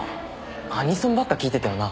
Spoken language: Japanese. アニソンばっか聞いてたよな？